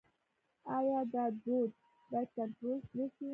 آیا دا دود باید کنټرول نشي؟